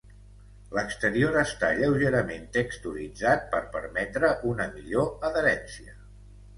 L'exterior està lleugerament texturitzat per permetre una millor adherència.